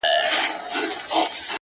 کله شات کله شکري پيدا کيږي.